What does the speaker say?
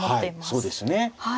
はいそうですね。